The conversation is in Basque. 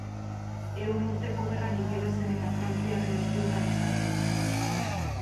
Ehun Urteko Gerran ingelesen eta frantziarren eskuetan izan zen.